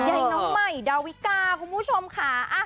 ใยน้องใหม่ดาวิกาคุณผู้ชมขา